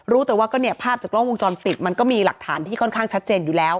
รู้แต่ว่าก็เนี่ยภาพจากกล้องวงจรปิดมันก็มีหลักฐานที่ค่อนข้างชัดเจนอยู่แล้ว